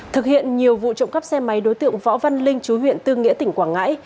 thực hiện nhiều vụ trộm cắp xe máy đối tượng võ văn linh chú huyện tư nghĩa tỉnh quảng ngãi